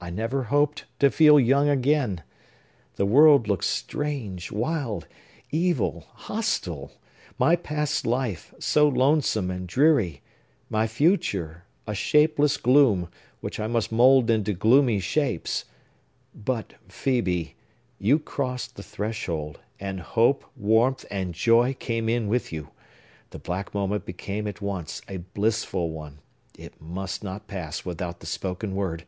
I never hoped to feel young again! The world looked strange, wild, evil, hostile; my past life, so lonesome and dreary; my future, a shapeless gloom, which I must mould into gloomy shapes! But, Phœbe, you crossed the threshold; and hope, warmth, and joy came in with you! The black moment became at once a blissful one. It must not pass without the spoken word.